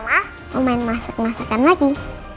mau main masak masakan lagi